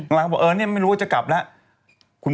ก็คือด่าผู้หญิง